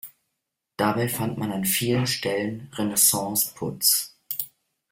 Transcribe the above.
Dabei fand man an vielen Stellen Renaissance-Putz.